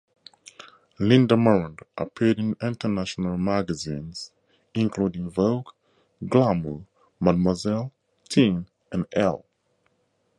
Linda Morand appeared in international magazines including "Vogue", "Glamour", "Mademoiselle", "Teen", and "Elle".